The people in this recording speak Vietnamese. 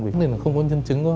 vì không có nhân chứng